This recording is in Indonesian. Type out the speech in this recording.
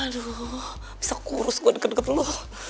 aduh bisa kurus gue dekat dekat lo